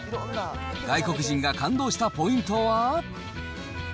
外国人が感動したポイントは？